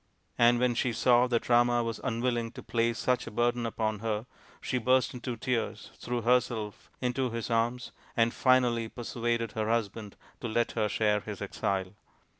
" And when she saw that Rama was unwilling to place such a burden upon her, she burst into tears, threw herself into his arms, and finally persuaded her husband to let her share his exile.